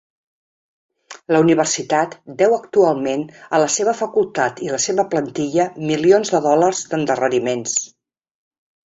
La universitat deu actualment a la seva facultat i la seva plantilla milions de dòlars d"endarreriments.